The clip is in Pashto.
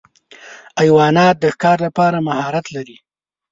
حیوانات د ښکار لپاره مهارت لري.